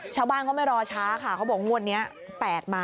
ชาวบ้านเขาไม่รอช้าค่ะเขาบอกงวดนี้๘มา